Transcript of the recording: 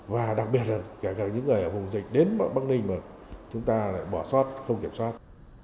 và đặc biệt là kể cả những người ở vùng dịch đến bắc ninh mà chúng ta lại bỏ sót không kiểm soát